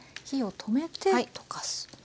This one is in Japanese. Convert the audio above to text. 火を止めて溶かす。